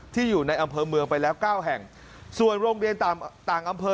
ที่อยู่ในอำเภอเมืองไปแล้วเก้าแห่งส่วนโรงเรียนต่างต่างอำเภอ